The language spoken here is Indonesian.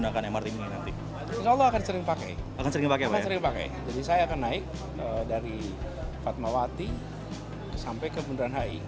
nah ini saya akan naik dari fatmawati sampai ke bundaran hai